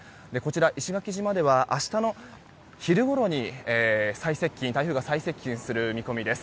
石垣島では、明日の昼ごろに台風が最接近する見込みです。